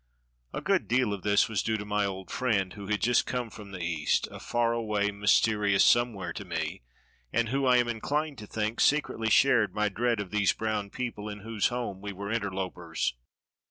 A good deal of this was due to my old friend who had just come from the East, a far away, mysterious Somewhere to me, and who, I am inclined to think, secretly shared my dread of these brown people in whose home we were interlopers.